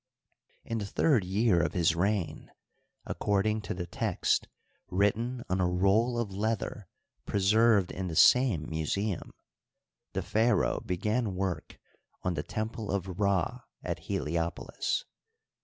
In the third year of his reig^, according to the text written on a roll of leather preserved in the same museum, the pharaoh began work on the temple of Rd at Heliopolis.